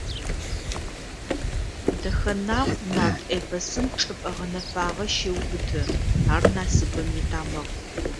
Дэхэнагъу нарт эпосым чӏыпӏэ гъэнэфагъэ щеубыты, ар насыпым итамыгъ.